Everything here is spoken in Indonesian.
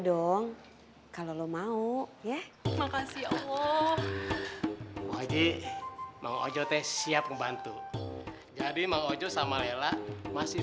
dong kalau lo mau ya makasih allah ojo mau ojo teh siap membantu jadi mang ojo sama lela masih